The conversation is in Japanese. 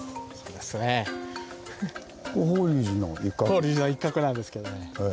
法隆寺の一角なんですけどね。